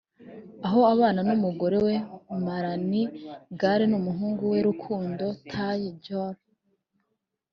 aho abana n’umugore we Melanie Gale n’umuhungu we Rukundo Taye Jr